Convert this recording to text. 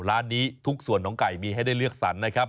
ร้านนี้ทุกส่วนของไก่มีให้ได้เลือกสรรนะครับ